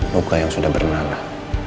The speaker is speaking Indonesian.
luka yang sudah bernanah